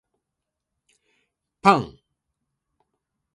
パン